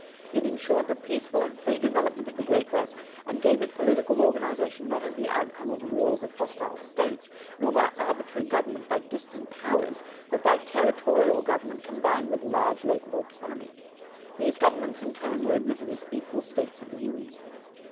It insured the peaceful and free development of the great West and gave it political organization not as the outcome of wars of hostile States, nor by arbitrary government by distant powers, but by territorial government combined with large local autonomy. These governments in turn were admitted as equal States of the Union.